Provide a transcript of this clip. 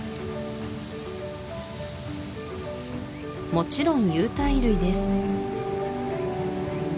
もちろん有袋類です